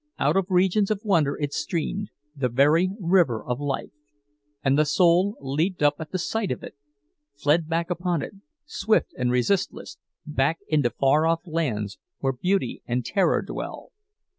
Out of regions of wonder it streamed, the very river of life; and the soul leaped up at the sight of it, fled back upon it, swift and resistless, back into far off lands, where beauty and terror dwell.